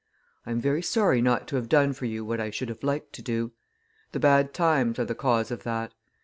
I am very sorry not to have done for you what I should have liked to do. The bad times are the cause of that.